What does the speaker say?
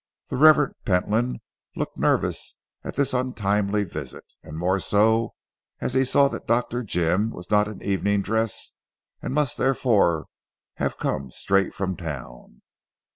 The Revd. Pentland looked nervous at this untimely visit, and more so as he saw that Dr. Jim was not in evening dress and must therefore have come straight from town.